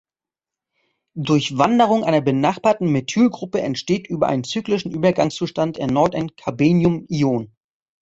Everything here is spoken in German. Durch Wanderung einer benachbarten Methylgruppe entsteht über einen cyclischen Übergangszustand erneut ein Carbeniumion.